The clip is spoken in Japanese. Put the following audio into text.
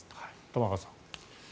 玉川さん。